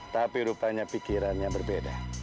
tapi rupanya pikirannya berbeda